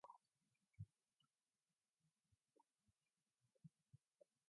Hitrec was a goal-scorer for the Kingdom of Yugoslavia national team.